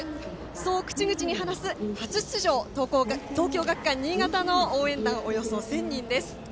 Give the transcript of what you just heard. そう口々に話す初出場、東京学館新潟の応援団、およそ１０００人です。